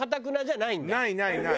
ないないない。